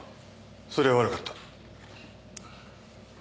そりゃ悪かった。